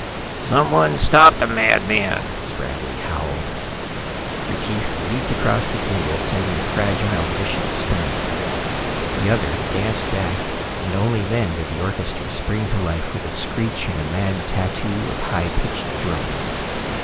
"Someone stop the madman!" Spradley howled. Retief leaped across the table, sending fragile dishes spinning. The other danced back, and only then did the orchestra spring to life with a screech and a mad tattoo of high pitched drums.